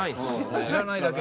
知らないだけで。